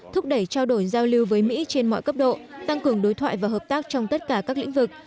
thúc đẩy trao đổi giao lưu với mỹ trên mọi cấp độ tăng cường đối thoại và hợp tác trong tất cả các lĩnh vực